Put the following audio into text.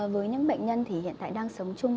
với những bệnh nhân thì hiện tại đang sống chung